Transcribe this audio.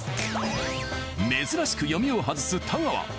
珍しく読みを外す太川。